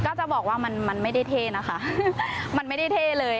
ก็จะบอกว่ามันมันไม่ได้เท่นะคะมันไม่ได้เท่เลย